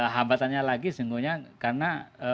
habatannya lagi sejujurnya karena